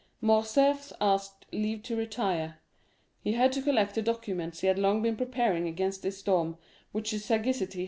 Morcerf asked leave to retire; he had to collect the documents he had long been preparing against this storm, which his sagacity had foreseen.